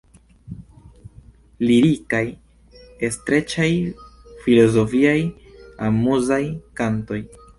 Lirikaj, streĉaj, filozofiaj, amuzaj kantoj.